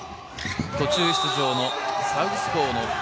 途中出場のサウスポーの。